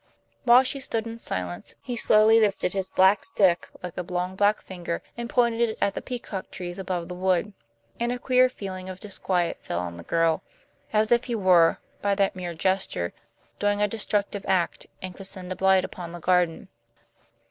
While she stood in silence he slowly lifted his black stick like a long black finger and pointed it at the peacock trees above the wood. And a queer feeling of disquiet fell on the girl, as if he were, by that mere gesture, doing a destructive act and could send a blight upon the garden.